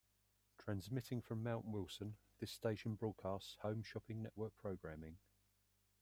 Transmitting from Mount Wilson, this station broadcasts Home Shopping Network programming.